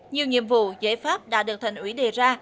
nhiều nhiệm vụ giải pháp đã được thành ủy đề ra